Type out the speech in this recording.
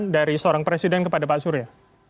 dari seorang presiden kepada pak surya